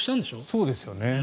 そうですよね。